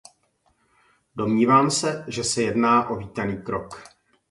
Domnívám se, že se jedná o vítaný krok.